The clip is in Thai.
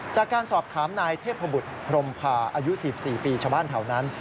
จากการสอบถามนายเทพบุรุษพรมพาอายุสี่สี่ปีชาวบ้านเท่านั้น